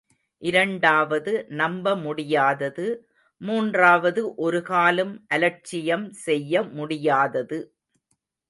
இரண்டாவது நம்ப முடியாதது, மூன்றாவது ஒரு காலும் அலட்சியம் செய்ய முடியாதது.